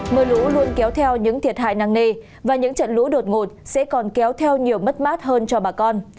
mưa lũ luôn kéo theo những thiệt hại năng nề và những trận lũ đột ngột sẽ còn kéo theo nhiều mất mát hơn cho bà con